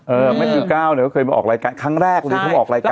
แม่คิวก้าวเนี่ยก็เคยมาออกรายการครั้งแรกเลยเขาออกรายการ